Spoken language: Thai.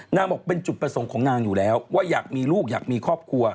นางบอกเป็นจุดประสงค์ของนางอยู่แล้วว่าอยากมีลูกอยากมีครอบครัว